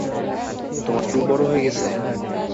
তোমার চুল বড় হয়ে গেছে।